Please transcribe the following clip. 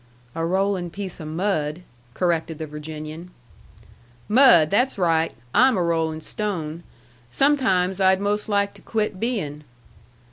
"A rolling piece of mud," corrected the Virginian. "Mud! That's right. I'm a rolling stone. Sometimes I'd most like to quit being."